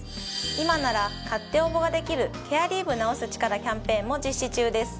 今なら買って応募ができる「ケアリーヴ治す力キャンペーン」も実施中です。